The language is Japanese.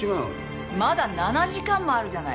まだ７時間もあるじゃない。